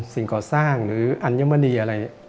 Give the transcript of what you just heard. สิ่งก่อสร้างหรืออัญมณีอะไร